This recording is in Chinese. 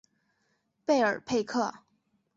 贝尔佩克。